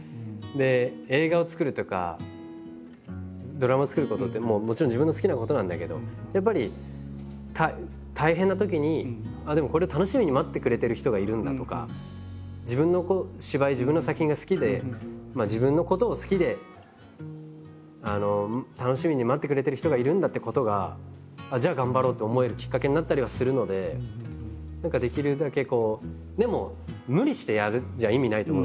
映画を作るとかドラマを作ることってもちろん自分の好きなことなんだけどやっぱり大変なときにでもこれを楽しみに待ってくれてる人がいるんだとか自分の芝居自分の作品が好きで自分のことを好きで楽しみに待ってくれてる人がいるんだってことがじゃあ頑張ろうと思えるきっかけになったりはするので何かできるだけこう。